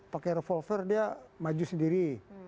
pakai revolver dia maju sendiri